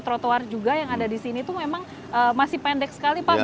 trotoar juga yang ada di sini tuh memang masih pendek sekali pak